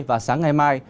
và sáng ngày mai